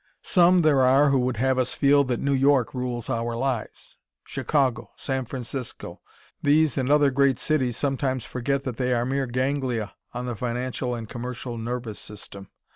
Some, there are, who would have us feel that New York rules our lives. Chicago San Francisco these and other great cities sometimes forget that they are mere ganglia on the financial and commercial nervous system.